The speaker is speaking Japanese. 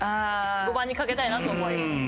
５番にかけたいなと思い。